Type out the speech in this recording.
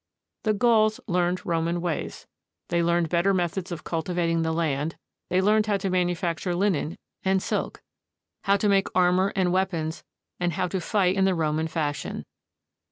The Gauls learned Roman ways. They learned better methods of cultivating the land; they learned how to manu facture linen and silk, how to make armor and weapons, and how to fight in the Roman fashion.